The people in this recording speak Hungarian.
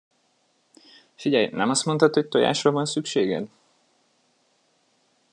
Figyelj, nem azt mondtad, hogy tojásra van szükséged?